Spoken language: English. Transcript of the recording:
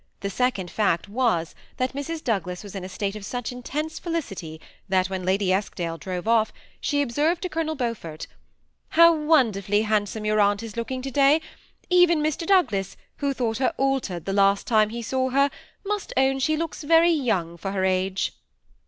The second fact was, that Mrs. Douglas was in a state of such intense felicity, that when Lady Eskdale drove off^ she observed to Colonel Beaufort, ^^How wonderfully handsome your aant is looking to day! even Mr. Douglas, who thought her altered the last time he saw her, must own she looks very young for her age."